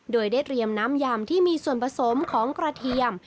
โดยได้เตรียมน้ำยำที่มีส่วนผสมของกระเทียม